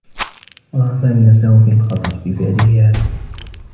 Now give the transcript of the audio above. وضع سامي نفسه في الخطر بفعله هذا.